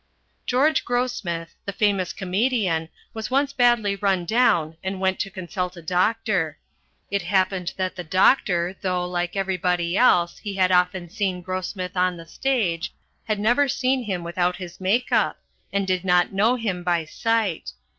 "George Grossmith, the famous comedian, was once badly run down and went to consult a doctor. It happened that the doctor, though, like everybody else, he had often seen Grossmith on the stage, had never seen him without his make up and did not know him by sight.